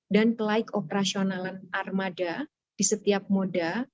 kelaik operasionalan armada di setiap moda